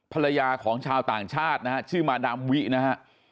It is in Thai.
ภรรยาของชาวต่างชาตินะฮะชื่อมาดามวินะฮะ